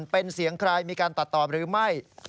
เป็นเสียงใครมีการตัดตอบหรือไม่